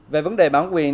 về vấn đề bản quyền